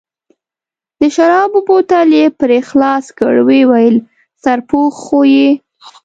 د شرابو بوتل یې پرې خلاص کړ، ویې ویل: سرپوښ خو یې.